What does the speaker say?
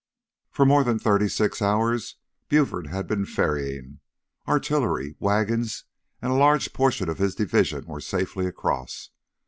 For more than thirty six hours Buford had been ferrying. Artillery, wagons, and a large portion of his division were safely across.